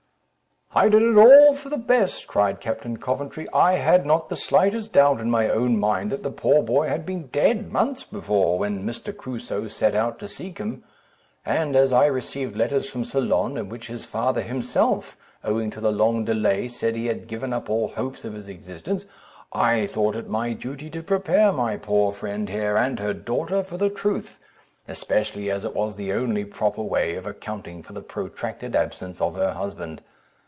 "I did all for the best," cried Captain Coventry, "I had not the slightest doubt in my own mind that the poor boy had been dead months before, when Mr. Crusoe set out to seek him; and as I received letters from Ceylon, in which his father himself, owing to the long delay, said he had given up all hopes of his existence, I thought it my duty to prepare my poor friend here and her daughter for the truth, especially as it was the only proper way of accounting for the protracted absence of her husband.